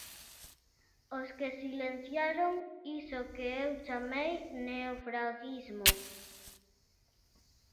Os que silenciaron iso que eu chamei "neofraguismo".